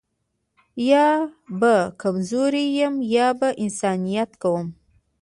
یا به کمزوری یمه یا به انسانیت کومه